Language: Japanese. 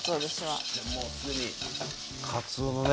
そしてもう既にかつおのね